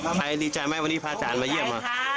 ใครดีใจไหมวันนี้พาอาจารย์มาเยี่ยมมา